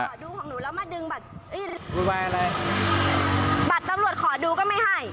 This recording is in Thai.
ดูของหนูแล้วมาดึงบัตรเอ้ยอะไรบัตรตำรวจขอดูก็ไม่ให้